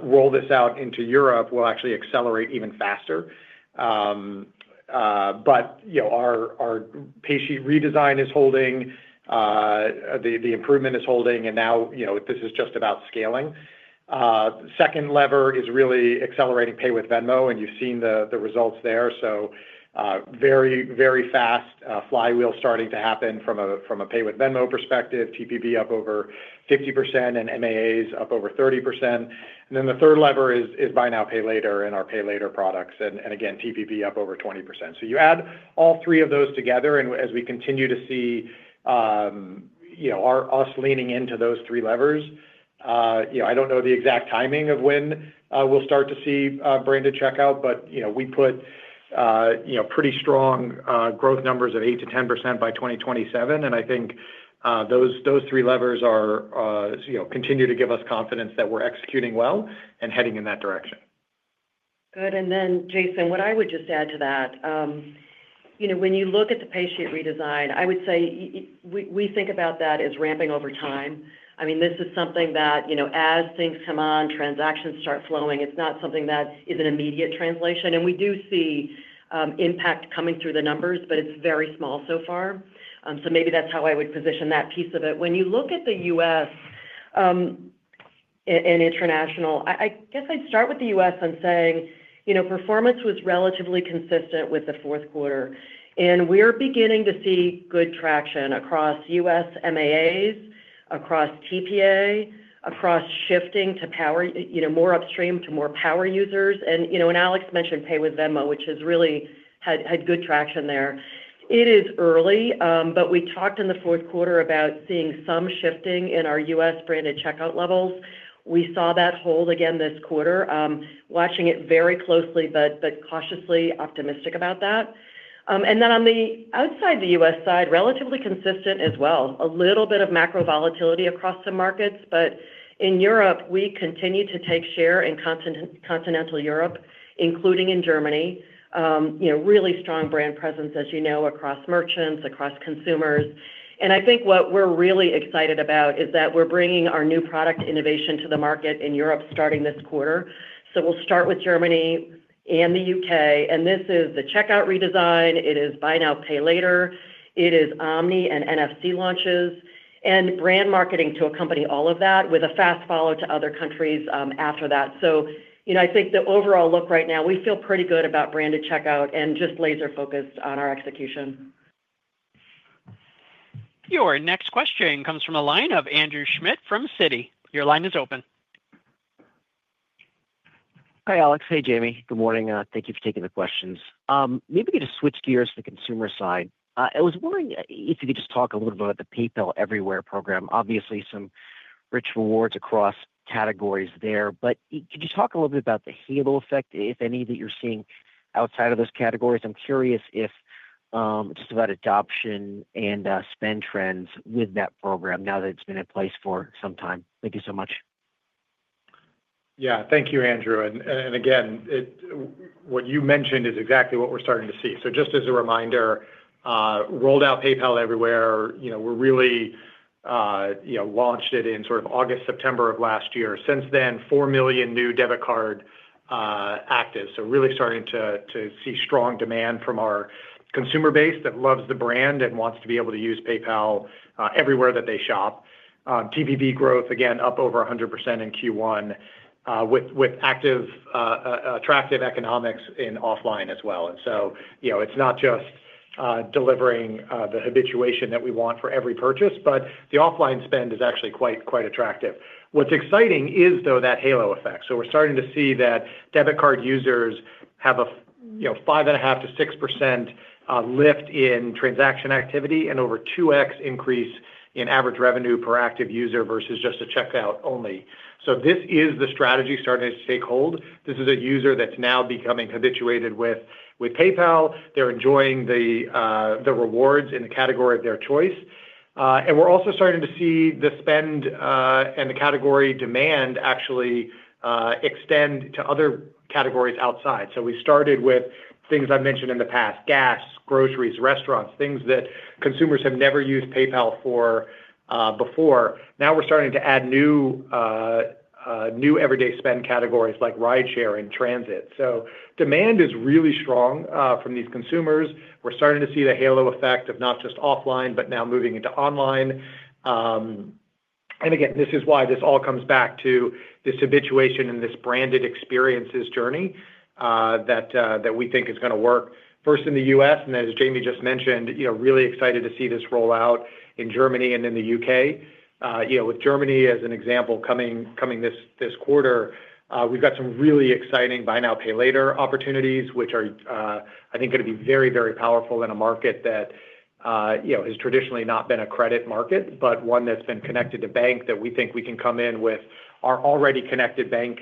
roll this out into Europe, we will actually accelerate even faster. Our Paysheet redesign is holding. The improvement is holding, and now this is just about scaling. The second lever is really accelerating Pay with Venmo, and you've seen the results there. Very, very fast flywheel starting to happen from a Pay with Venmo perspective, TPV up over 50%, and MAAs up over 30%. The third lever is Buy Now, Pay Later in our pay later products. Again, TPV up over 20%. You add all three of those together, and as we continue to see us leaning into those three levers, I do not know the exact timing of when we will start to see branded checkout, but we put pretty strong growth numbers of 8-10% by 2027. I think those three levers continue to give us confidence that we are executing well and heading in that direction. Good. Then, Jason, what I would just add to that, when you look at the Paysheet redesign, I would say we think about that as ramping over time. I mean, this is something that as things come on, transactions start flowing. It is not something that is an immediate translation. We do see impact coming through the numbers, but it is very small so far. Maybe that is how I would position that piece of it. When you look at the U.S. and international, I guess I'd start with the U.S. and say performance was relatively consistent with the fourth quarter. We're beginning to see good traction across U.S. MAAs, across TPA, across shifting to more upstream to more power users. Alex mentioned Pay with Venmo, which really had good traction there. It is early, but we talked in the fourth quarter about seeing some shifting in our U.S. branded checkout levels. We saw that hold again this quarter, watching it very closely but cautiously optimistic about that. On the outside the U.S. side, relatively consistent as well. A little bit of macro volatility across the markets, but in Europe, we continue to take share in continental Europe, including in Germany. Really strong brand presence, as you know, across merchants, across consumers. I think what we're really excited about is that we're bringing our new product innovation to the market in Europe starting this quarter. We'll start with Germany and the UK This is the checkout redesign. It is Buy Now, Pay Later. It is Omnichannel and NFC launches. Brand marketing will accompany all of that with a fast follow to other countries after that. I think the overall look right now, we feel pretty good about branded checkout and just laser-focused on our execution. Your next question comes from a line of Andrew Schmidt from Citi. Your line is open. Hi, Alex. Hey, Jamie. Good morning. Thank you for taking the questions. Maybe we could just switch gears to the consumer side. I was wondering if you could just talk a little bit about the PayPal Everywhere program. Obviously, some rich rewards across categories there. Could you talk a little bit about the halo effect, if any, that you're seeing outside of those categories? I'm curious just about adoption and spend trends with that program now that it's been in place for some time. Thank you so much. Thank you, Andrew. What you mentioned is exactly what we're starting to see. Just as a reminder, rolled out PayPal Everywhere. We really launched it in sort of August, September of last year. Since then, 4 million new debit card active. Really starting to see strong demand from our consumer base that loves the brand and wants to be able to use PayPal Everywhere that they shop. TPV growth, again, up over 100% in Q1 with attractive economics in offline as well. It is not just delivering the habituation that we want for every purchase, but the offline spend is actually quite attractive. What is exciting is, though, that halo effect. We are starting to see that debit card users have a 5.5-6% lift in transaction activity and over 2x increase in average revenue per active user versus just a checkout only. This is the strategy starting to take hold. This is a user that is now becoming habituated with PayPal. They are enjoying the rewards in the category of their choice. We are also starting to see the spend and the category demand actually extend to other categories outside. We started with things I mentioned in the past: gas, groceries, restaurants, things that consumers have never used PayPal for before. Now we are starting to add new everyday spend categories like rideshare and transit. Demand is really strong from these consumers. We're starting to see the halo effect of not just offline, but now moving into online. Again, this is why this all comes back to this habituation and this branded experiences journey that we think is going to work first in the U.S. As Jamie just mentioned, really excited to see this roll out in Germany and in the UK With Germany as an example coming this quarter, we've got some really exciting buy now, pay later opportunities, which are, I think, going to be very, very powerful in a market that has traditionally not been a credit market, but one that's been connected to bank that we think we can come in with our already connected bank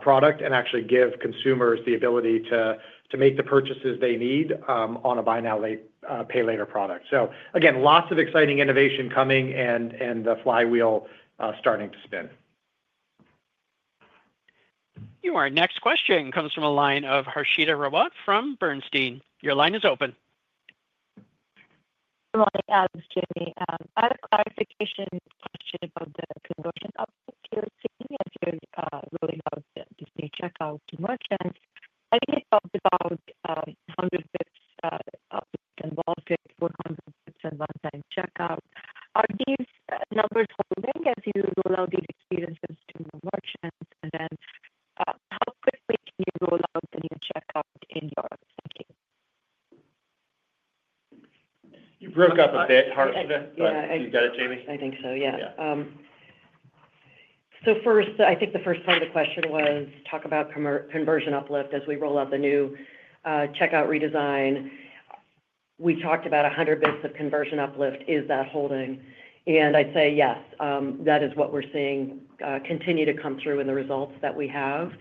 product and actually give consumers the ability to make the purchases they need on a buy now, pay later product. Again, lots of exciting innovation coming and the flywheel starting to spin. Your next question comes from a line of Harshita Rawat from Bernstein. Your line is open. Good morning, Alex. Jamie. I have a clarification question about the conversion update you're seeing as you're rolling out this new checkout to merchants. I think it's all about 100 basis points up and 100 basis points in one-time checkout. Are these numbers holding as you roll out these experiences to merchants? How quickly can you roll out the new checkout in Europe? You broke up a bit. You got it, Jamie? I think so. Yeah. First, I think the first part of the question was talk about conversion uplift as we roll out the new checkout redesign. We talked about 100 basis points of conversion uplift. Is that holding? I'd say yes. That is what we're seeing continue to come through in the results that we have.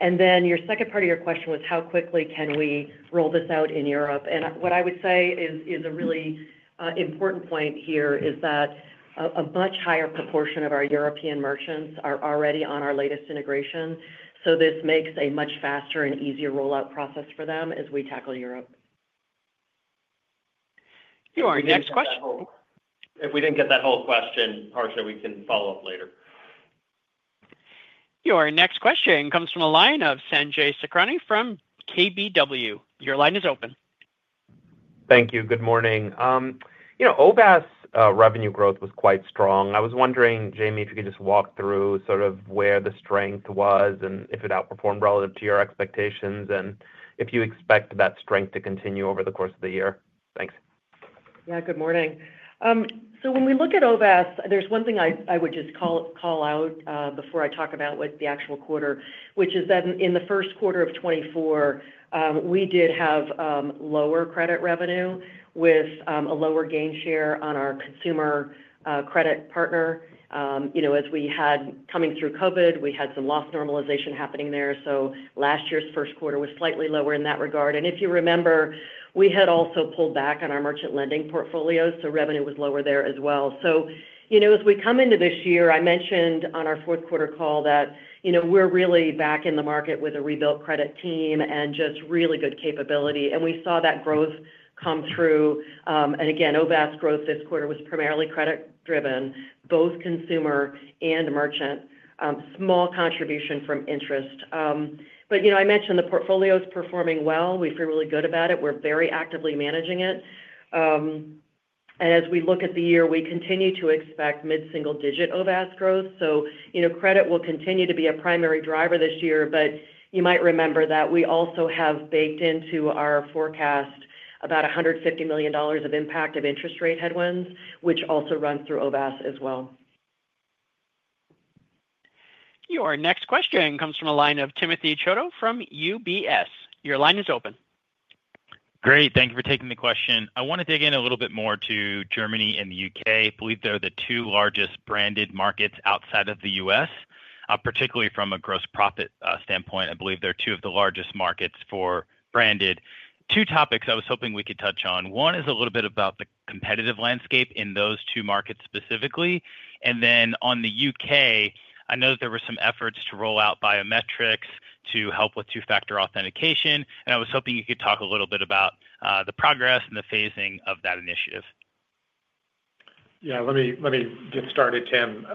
Your second part of your question was how quickly can we roll this out in Europe? What I would say is a really important point here is that a much higher proportion of our European merchants are already on our latest integration. This makes a much faster and easier rollout process for them as we tackle Europe. Your next question. If we did not get that whole question, Harshita, we can follow up later. Your next question comes from a line of Sanjay Sakhrani from KBW. Your line is open. Thank you. Good morning. OVAS revenue growth was quite strong. I was wondering, Jamie, if you could just walk through sort of where the strength was and if it outperformed relative to your expectations and if you expect that strength to continue over the course of the year. Thanks. Yeah. Good morning. When we look at OVAS, there is one thing I would just call out before I talk about what the actual quarter, which is that in the first quarter of 2024, we did have lower credit revenue with a lower gain share on our consumer credit partner. As we had coming through COVID, we had some loss normalization happening there. Last year's first quarter was slightly lower in that regard. If you remember, we had also pulled back on our merchant lending portfolios, so revenue was lower there as well. As we come into this year, I mentioned on our fourth quarter call that we're really back in the market with a rebuilt credit team and just really good capability. We saw that growth come through. Again, OVAS growth this quarter was primarily credit-driven, both consumer and merchant. Small contribution from interest. I mentioned the portfolio is performing well. We feel really good about it. We're very actively managing it. As we look at the year, we continue to expect mid-single digit OVAS growth. Credit will continue to be a primary driver this year, but you might remember that we also have baked into our forecast about $150 million of impact of interest rate headwinds, which also runs through OVAS as well. Your next question comes from a line of Timothy Chiodo from UBS. Your line is open. Great. Thank you for taking the question. I want to dig in a little bit more to Germany and the UK I believe they're the two largest branded markets outside of the U.S., particularly from a gross profit standpoint. I believe they're two of the largest markets for branded. Two topics I was hoping we could touch on. One is a little bit about the competitive landscape in those two markets specifically. On the UK, I know that there were some efforts to roll out biometrics to help with two-factor authentication. I was hoping you could talk a little bit about the progress and the phasing of that initiative. Yeah. Let me get started, Tim.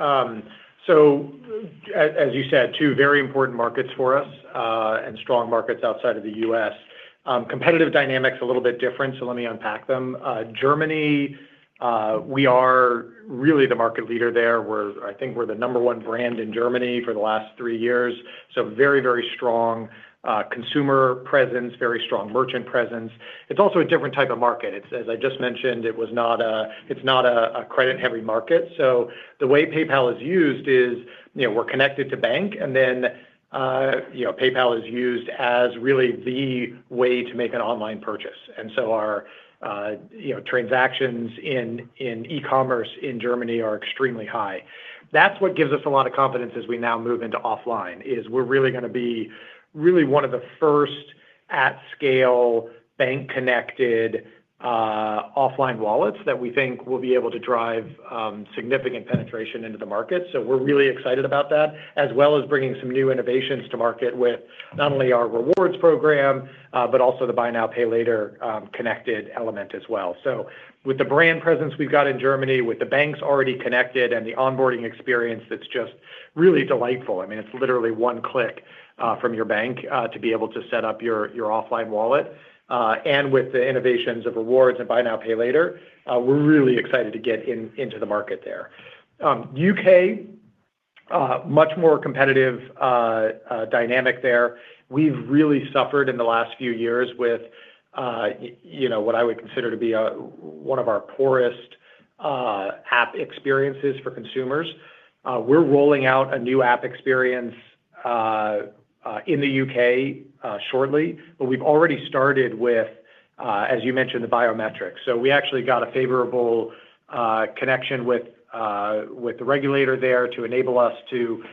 As you said, two very important markets for us and strong markets outside of the U.S. Competitive dynamics a little bit different, so let me unpack them. Germany, we are really the market leader there. I think we're the number one brand in Germany for the last three years. Very, very strong consumer presence, very strong merchant presence. It's also a different type of market. As I just mentioned, it's not a credit-heavy market. The way PayPal is used is we're connected to bank, and then PayPal is used as really the way to make an online purchase. Our transactions in e-commerce in Germany are extremely high. That gives us a lot of confidence as we now move into offline. We're really going to be one of the first at-scale bank-connected offline wallets that we think will be able to drive significant penetration into the market. We're really excited about that, as well as bringing some new innovations to market with not only our rewards program, but also the Buy Now, Pay Later connected element as well. With the brand presence we've got in Germany, with the banks already connected and the onboarding experience, that's just really delightful. I mean, it's literally one click from your bank to be able to set up your offline wallet. With the innovations of rewards and Buy Now, Pay Later, we're really excited to get into the market there.UK, much more competitive dynamic there. We've really suffered in the last few years with what I would consider to be one of our poorest app experiences for consumers. We're rolling out a new app experience in the UK shortly, but we've already started with, as you mentioned, the biometrics. We actually got a favorable connection with the regulator there to enable us to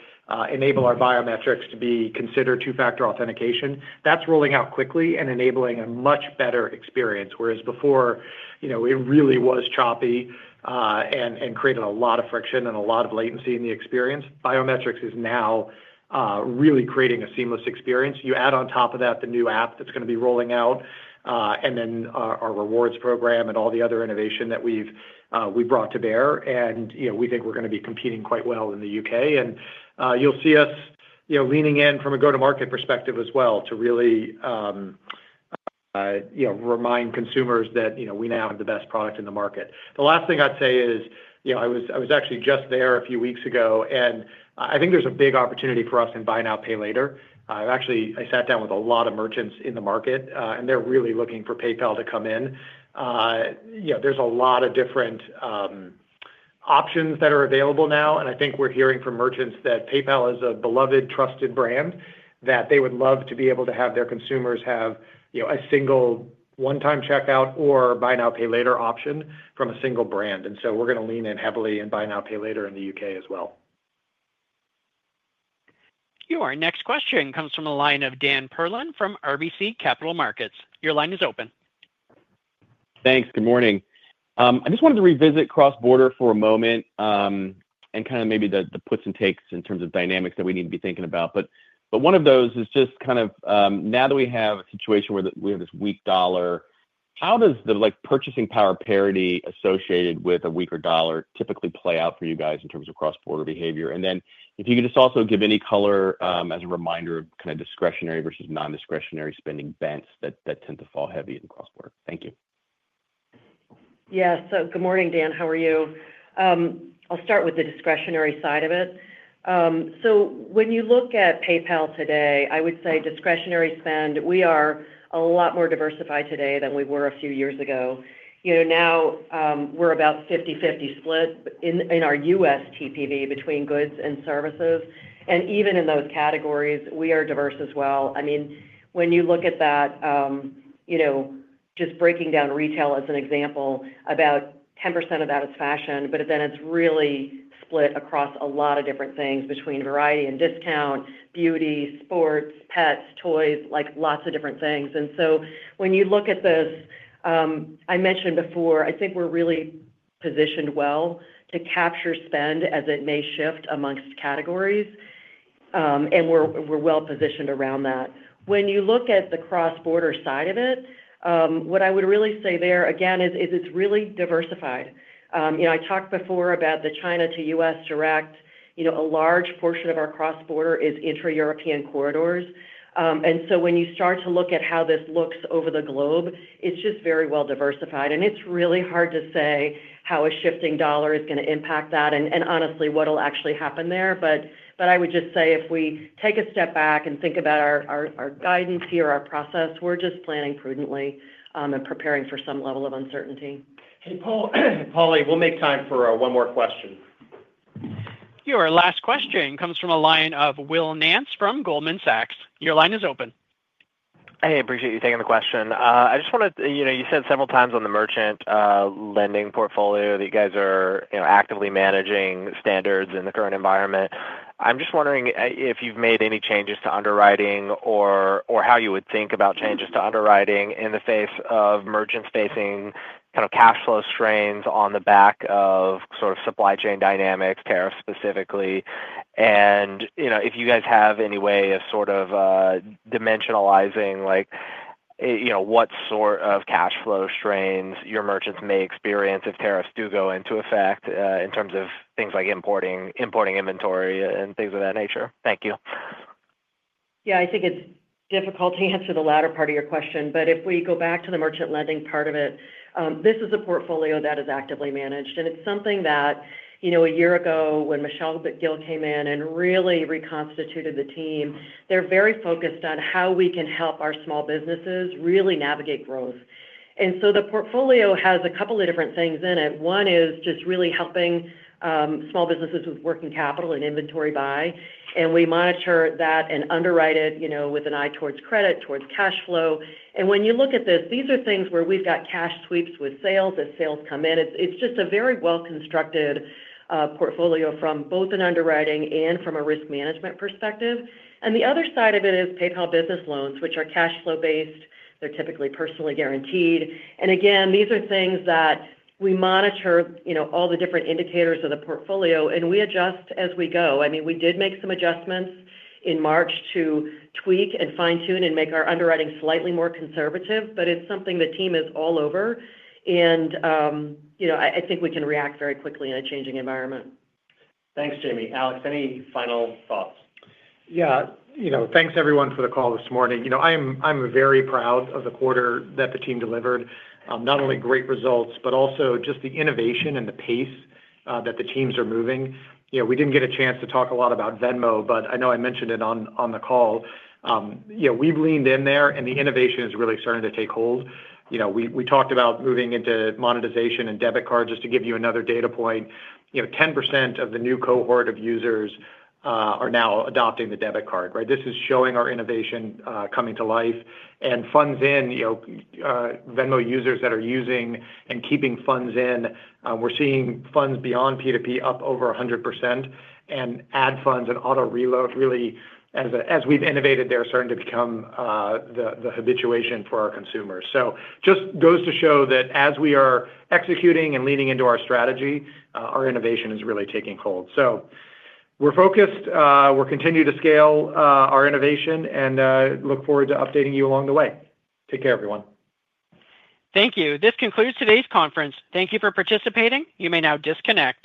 enable our biometrics to be considered two-factor authentication. That's rolling out quickly and enabling a much better experience. Whereas before, it really was choppy and created a lot of friction and a lot of latency in the experience. Biometrics is now really creating a seamless experience. You add on top of that the new app that's going to be rolling out and then our rewards program and all the other innovation that we've brought to bear. We think we're going to be competing quite well in the UK You'll see us leaning in from a go-to-market perspective as well to really remind consumers that we now have the best product in the market. The last thing I'd say is I was actually just there a few weeks ago, and I think there's a big opportunity for us in buy now, pay later. Actually, I sat down with a lot of merchants in the market, and they're really looking for PayPal to come in. There's a lot of different options that are available now. I think we're hearing from merchants that PayPal is a beloved, trusted brand that they would love to be able to have their consumers have a single one-time checkout or buy now, pay later option from a single brand. We are going to lean in heavily in buy now, pay later in the UK as well. Your next question comes from a line of Dan Perlin from RBC Capital Markets. Your line is open. Thanks. Good morning. I just wanted to revisit cross-border for a moment and kind of maybe the puts and takes in terms of dynamics that we need to be thinking about. One of those is just kind of now that we have a situation where we have this weak dollar, how does the purchasing power parity associated with a weaker dollar typically play out for you guys in terms of cross-border behavior? If you could just also give any color as a reminder of kind of discretionary versus non-discretionary spending bents that tend to fall heavy in cross-border. Thank you. Yeah. Good morning, Dan. How are you? I'll start with the discretionary side of it. When you look at PayPal today, I would say discretionary spend, we are a lot more diversified today than we were a few years ago. Now we're about 50/50 split in our U.S. TPV between goods and services. I mean, even in those categories, we are diverse as well. I mean, when you look at that, just breaking down retail as an example, about 10% of that is fashion, but then it's really split across a lot of different things between variety and discount, beauty, sports, pets, toys, lots of different things. When you look at this, I mentioned before, I think we're really positioned well to capture spend as it may shift amongst categories, and we're well positioned around that. When you look at the cross-border side of it, what I would really say there, again, is it's really diversified. I talked before about the China to U.S. direct. A large portion of our cross-border is intra-European corridors. When you start to look at how this looks over the globe, it's just very well diversified. It's really hard to say how a shifting dollar is going to impact that and honestly what will actually happen there. I would just say if we take a step back and think about our guidance here, our process, we're just planning prudently and preparing for some level of uncertainty. Hey, Pol. Polly, we'll make time for one more question. Your last question comes from a line of Will Nance from Goldman Sachs. Your line is open. Hey, I appreciate you taking the question. I just wanted to—you said several times on the merchant lending portfolio that you guys are actively managing standards in the current environment. I'm just wondering if you've made any changes to underwriting or how you would think about changes to underwriting in the face of merchants facing kind of cash flow strains on the back of sort of supply chain dynamics, tariffs specifically. If you guys have any way of sort of dimensionalizing what sort of cash flow strains your merchants may experience if tariffs do go into effect in terms of things like importing inventory and things of that nature? Thank you. Yeah. I think it's difficult to answer the latter part of your question, but if we go back to the merchant lending part of it, this is a portfolio that is actively managed. It's something that a year ago when Michelle Gill came in and really reconstituted the team, they're very focused on how we can help our small businesses really navigate growth. The portfolio has a couple of different things in it. One is just really helping small businesses with working capital and inventory buy. We monitor that and underwrite it with an eye towards credit, towards cash flow. When you look at this, these are things where we've got cash sweeps with sales as sales come in. It's just a very well-constructed portfolio from both an underwriting and from a risk management perspective. The other side of it is PayPal Business Loans, which are cash flow-based. They're typically personally guaranteed. Again, these are things that we monitor, all the different indicators of the portfolio, and we adjust as we go. I mean, we did make some adjustments in March to tweak and fine-tune and make our underwriting slightly more conservative, but it's something the team is all over. I think we can react very quickly in a changing environment. Thanks, Jamie. Alex, any final thoughts? Yeah. Thanks, everyone, for the call this morning. I'm very proud of the quarter that the team delivered. Not only great results, but also just the innovation and the pace that the teams are moving. We didn't get a chance to talk a lot about Venmo, but I know I mentioned it on the call. We've leaned in there, and the innovation is really starting to take hold. We talked about moving into monetization and debit card just to give you another data point. 10% of the new cohort of users are now adopting the debit card, right? This is showing our innovation coming to life. And funds-in Venmo users that are using and keeping funds-in, we're seeing funds beyond P2P up over 100%. Add funds and auto-reload, really, as we've innovated, they're starting to become the habituation for our consumers. It just goes to show that as we are executing and leaning into our strategy, our innovation is really taking hold. We are focused. We will continue to scale our innovation and look forward to updating you along the way. Take care, everyone. Thank you. This concludes today's conference. Thank you for participating. You may now disconnect.